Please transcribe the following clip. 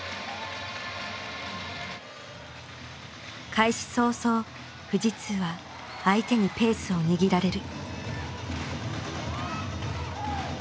開始早々富士通は相手にペースを握られる。